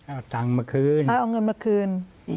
เอาเงินมาคืน